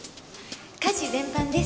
家事全般です。